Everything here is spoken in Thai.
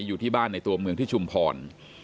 อยู่ที่บ้านในตัวเมืองที่ชุมพร